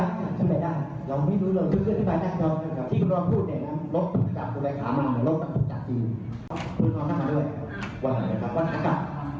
คุณน้องนั่งมาด้วยว่าเหมือนกับวันอากาศ